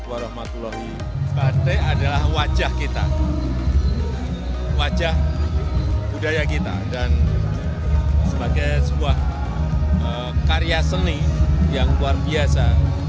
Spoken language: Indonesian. batik adalah wajah kita wajah budaya kita dan sebagai sebuah karya seni yang luar biasa